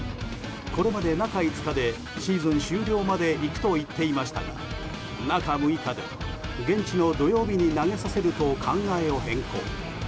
これまで中５日でシーズン終了までいくと言っていましたが中６日で現地の土曜日に投げさせると考えを変更。